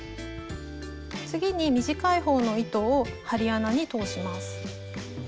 次に短い方の糸を針穴に通します。